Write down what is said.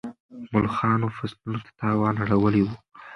ملخانو فصلونو ته تاوان اړولی و.